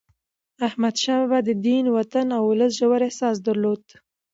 احمدشاه بابا د دین، وطن او ولس ژور احساس درلود.